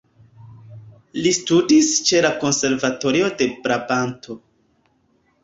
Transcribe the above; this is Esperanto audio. Li studis ĉe la konservatorio de Brabanto.